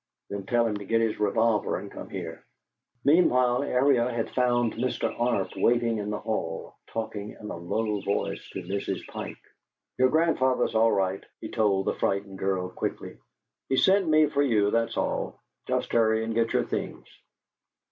Then tell him to get his revolver and come here." Meanwhile Ariel had found Mr. Arp waiting in the hall, talking in a low voice to Mrs. Pike. "Your grandfather's all right," he told the frightened girl, quickly. "He sent me for you, that's all. Just hurry and get your things."